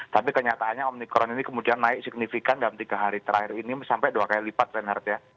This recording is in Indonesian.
tapi kenyataannya omikron ini kemudian naik signifikan dalam tiga hari terakhir ini sampai dua kali lipat renard ya